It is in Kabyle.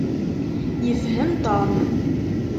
Yefhem Tom.